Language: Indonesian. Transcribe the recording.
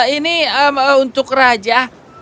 ini untuk raja